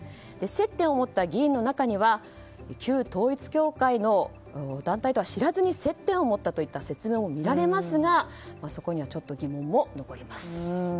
接点を持った議員の中には旧統一教会の団体とは知らずに接点を持ったといった説明も見られますが、そこにはちょっと疑問も残ります。